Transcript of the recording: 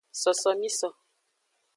Sosomiso.